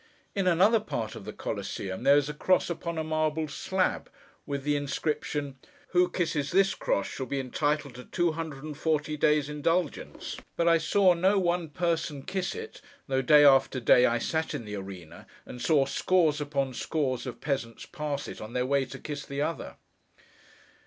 In another part of the Coliseum there is a cross upon a marble slab, with the inscription, 'Who kisses this cross shall be entitled to Two hundred and forty days' indulgence.' But I saw no one person kiss it, though, day after day, I sat in the arena, and saw scores upon scores of peasants pass it, on their way to kiss the other.